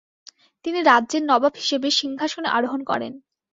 তিনি রাজ্যের নবাব হিসেবে সিংহাসনে আরোহণ করেন।